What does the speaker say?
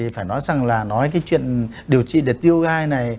phải nói rằng là nói cái chuyện điều trị để tiêu gai này